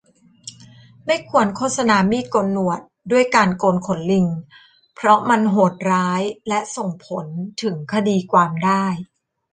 ไม่ควรโฆษณามีดโกนหนวดด้วยการโกนขนลิงเพราะมันโหดร้ายและส่งผลถึงคดีความได้